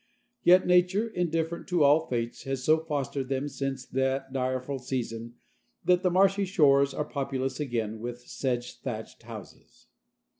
Yet nature, indifferent to all fates, has so fostered them since that direful season that the marshy shores are populous again with sedge thatched houses.